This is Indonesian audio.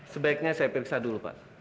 sebaiknya saya periksa dulu pak